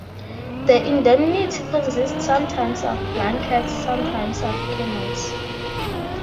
The indemnity consists sometimes of blankets, sometimes of canoes.